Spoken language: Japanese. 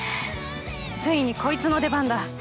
ついにこいつの出番だ。